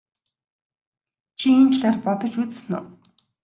Чи энэ талаар бодож үзсэн үү?